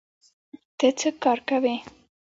ته څه کار کوې؟